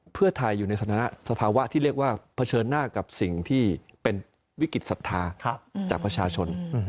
เพื่อไทยอยู่ในสถานะสภาวะที่เรียกว่าเผชิญหน้ากับสิ่งที่เป็นวิกฤตศรัทธาจากประชาชน